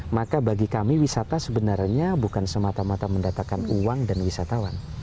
maka bagi kami wisata sebenarnya bukan semata mata mendatakan uang dan wisatawan